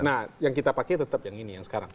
nah yang kita pakai tetap yang ini yang sekarang